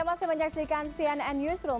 anda masih menyaksikan cnn indonesia newsroom